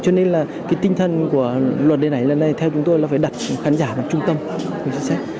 cho nên là cái tinh thần của luật điện ảnh lần này theo chúng tôi là phải đặt khán giả vào trung tâm về chính sách